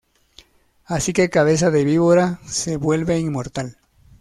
Así que Cabeza de víbora se vuelve inmortal.